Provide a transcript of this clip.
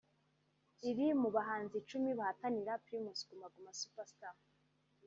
riri mu bahanzi icumi bahatanira Primus Guma Guma Super Star